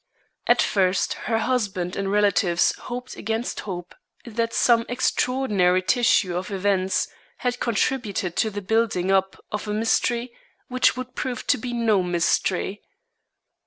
At first her husband and relatives hoped against hope that some extraordinary tissue of events had contributed to the building up of a mystery which would prove to be no mystery.